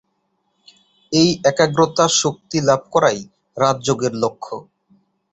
এই একাগ্রতা-শক্তি লাভ করাই রাজযোগের লক্ষ্য।